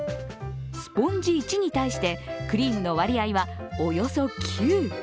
スポンジ１に対して、クリームの割合は、およそ９。